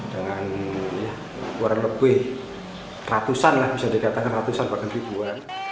dengan kurang lebih ratusan lah bisa dikatakan ratusan bahkan ribuan